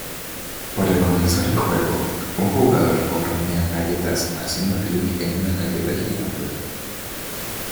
Para comenzar el juego, un jugador hornea galletas haciendo clic en una galleta gigante.